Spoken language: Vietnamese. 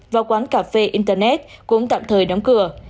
và quán cà phê internet cũng tạm thời đóng cửa